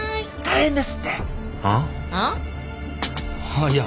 あっいや。